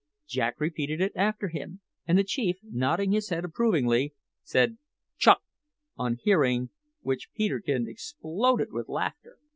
Jack repeated it after him, and the chief, nodding his head approvingly, said "Chuck," on hearing which Peterkin exploded with laughter.